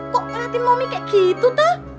kok ngeliatin momi kayak gitu tah